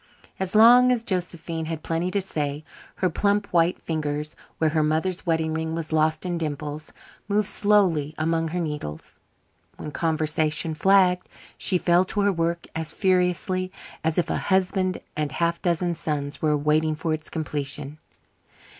As long as Josephine had plenty to say, her plump white fingers, where her mother's wedding ring was lost in dimples, moved slowly among her needles. When conversation flagged she fell to her work as furiously as if a husband and half a dozen sons were waiting for its completion.